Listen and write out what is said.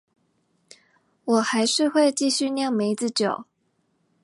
我還是會繼續釀梅子酒